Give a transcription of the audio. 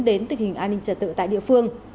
đến tình hình an ninh trật tự tại địa phương